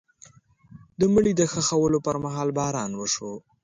د مړي د ښخولو پر مهال باران وشو.